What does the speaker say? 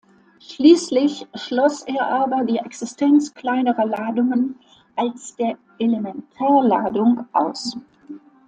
Schließlich schloss er aber die Existenz kleinerer Ladungen als der Elementarladung aus.